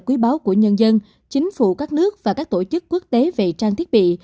giáo của nhân dân chính phủ các nước và các tổ chức quốc tế vệ trang thiết bị